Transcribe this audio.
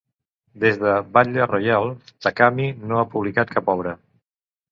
Des de "Battle Royale", Takami no ha publicat cap obra.